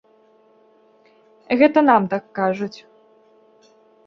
Гэта нам так кажуць.